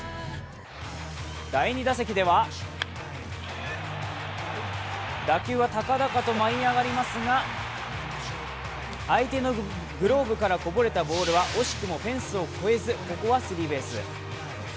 第２打席では打球は高々と舞い上がりますが相手のグローブからこぼれたボールは惜しくもフェンスを越えずここはスリーベース。